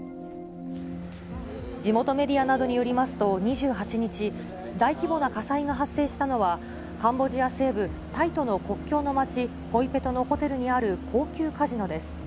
地元メディアなどによりますと、２８日、大規模な火災が発生したのは、カンボジア西部、タイとの国境の町、ポイペトのホテルにある高級カジノです。